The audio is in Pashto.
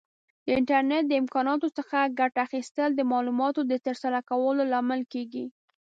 د انټرنیټ د امکاناتو څخه ګټه اخیستل د معلوماتو د ترلاسه کولو لامل کیږي.